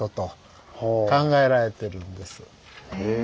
へえ。